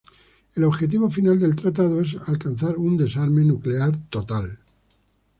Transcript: El objetivo final del tratado es alcanzar un desarme nuclear total.